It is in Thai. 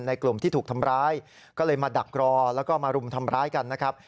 กลุ่มที่ถูกทำร้ายก็เลยมาดักรอแล้วก็มารุมทำร้ายกันนะครับ